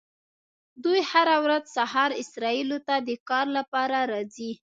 دوی هره ورځ سهار اسرائیلو ته د کار لپاره راځي.